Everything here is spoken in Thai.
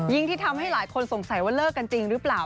ที่ทำให้หลายคนสงสัยว่าเลิกกันจริงหรือเปล่า